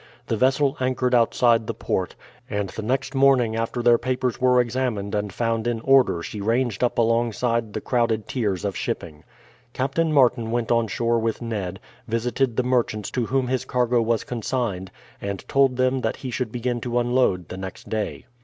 The vessel anchored outside the port, and the next morning after their papers were examined and found in order she ranged up alongside the crowded tiers of shipping. Captain Martin went on shore with Ned, visited the merchants to whom his cargo was consigned, and told them that he should begin to unload the next day.